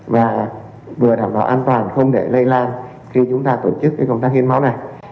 và vừa đảm bảo an toàn không để lây lan khi chúng ta tổ chức công tác hiến máu này